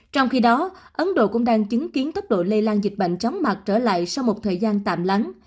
trong khi đó ấn độ cũng đang chứng kiến tốc độ lây lan dịch bệnh chóng mặt trở lại sau một thời gian tạm lắng